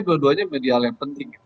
dua duanya medial yang penting